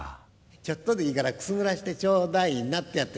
ちょっとでいいからくすぐらせてちょうだいなってやって。